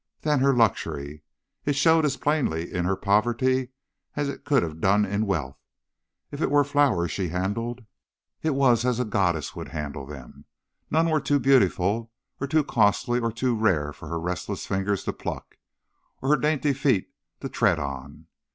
Then her luxury! It showed as plainly in her poverty as it could have done in wealth. If it were flowers she handled, it was as a goddess would handle them. None were too beautiful, or too costly, or too rare for her restless fingers to pluck, or her dainty feet to tread on.